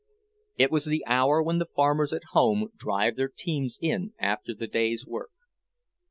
It was the hour when the farmers at home drive their teams in after the day's work.